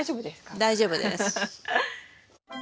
大丈夫です。